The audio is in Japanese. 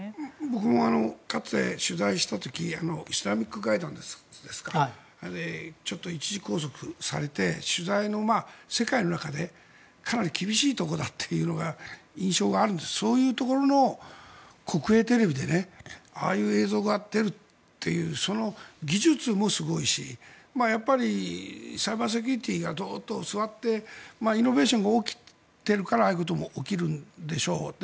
僕もかつて取材した時イスラミックガイダンスでちょっと一時拘束されて世界の中でかなり厳しいところだという印象があるんですがそういうところの国営テレビでああいう映像が出るというその技術もすごいしやっぱりサイバーセキュリティーがドーッと進んでイノベーションが起きているからああいうことも起きるんでしょう。